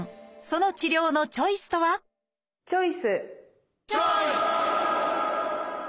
その治療のチョイスとはチョイス！